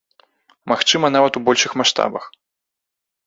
Магчыма, нават у большых маштабах.